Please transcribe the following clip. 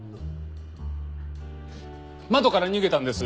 窓から逃げたんです。